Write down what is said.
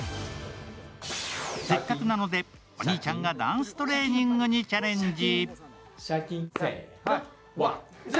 せっかくなので、お兄ちゃんがダンストレーニングにチャレンジ。